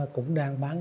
cũng đang bán